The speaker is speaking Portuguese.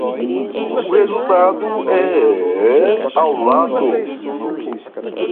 O resultado é ao lado